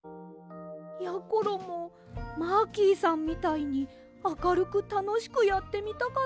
やころもマーキーさんみたいにあかるくたのしくやってみたかったんですが。